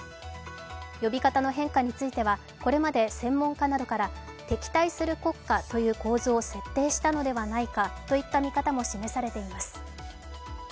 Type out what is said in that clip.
呼び方の変化については、これまで専門家などから敵対する国家という構図を設定したのではないかといった見方も示されています。